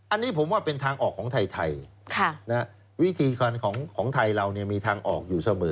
อันนี้ผมว่าเป็นทางออกของไทยวิธีการของไทยเรามีทางออกอยู่เสมอ